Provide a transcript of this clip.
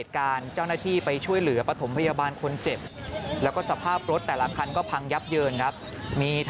กันชนหน้าเนี่ย